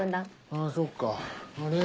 あそっかあれ？